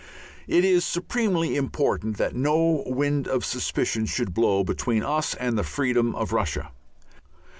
It is supremely important that no wind of suspicion should blow between us and the freedom of Russia.